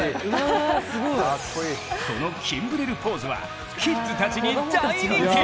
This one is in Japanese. このキンブレルポーズはキッズたちに大人気。